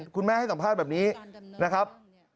คุณแม่ให้สัมภาษณ์แบบนี้นะครับ